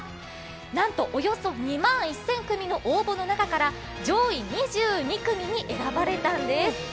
なんとおよそ２万１０００組の応募の中から上位２２組に選ばれたんです。